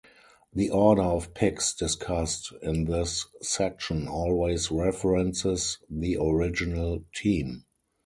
The order of picks discussed in this section always references the original team.